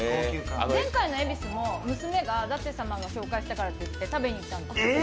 前回の恵比寿も娘が舘様が紹介したっていうから食べにいったんです。